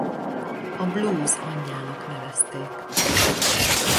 A blues anyjának nevezték.